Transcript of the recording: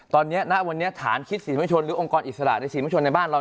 ตอนนี้ณวันนี้ฐานคิดศรีวชนหรือองค์กรอิสระในศรีมชนในบ้านเรา